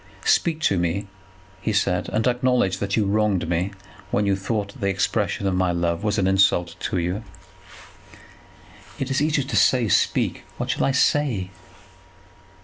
"Speak to me," he said, "and acknowledge that you wronged me when you thought that the expression of my love was an insult to you." "It is easy to say, speak. What shall I say?"